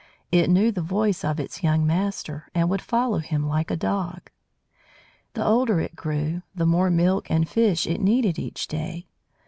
It knew the voice of its young master, and would follow him like a dog. The older it grew, the more milk and fish it needed each day.